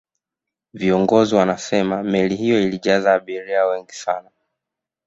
viongozi wanasema meli hiyo ilijaza abiria wengi sana